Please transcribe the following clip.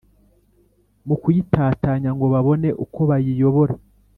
mu kuyitatanya ngo babone uko bayiyobora,